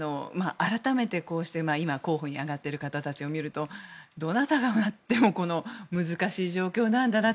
改めてこうして候補に挙がっている方たちを見るとどなたがなっても難しい状況なんだな